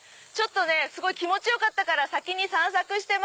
すごい気持ちよかったから先に散策してました。